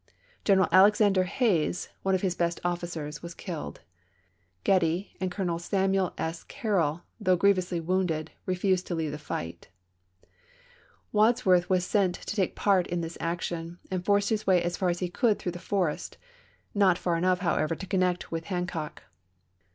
G eneral Alexander Hays, one ^^p/^s.'" of his best officers, was killed ; Getty and Colonel Samuel S. Carroll, though grievously wounded, re fused to leave the fight. Wads worth was sent to take part in this action, and forced his way as far as he could through the forest — not far enough, however, to connect with Hancock.